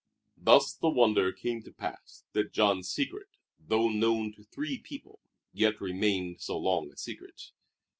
Thus the wonder came to pass that Jean's secret, though known to three people, yet remained so long a secret.